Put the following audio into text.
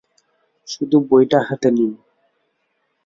শুধু বইটা হাতে নিন।